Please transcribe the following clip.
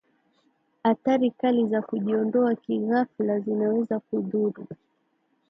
athari kali za kujiondoa kighafla zinaweza kudhuru